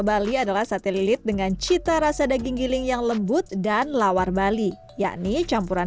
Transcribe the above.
bali adalah sate lilit dengan cita rasa daging giling yang lembut dan lawar bali yakni campuran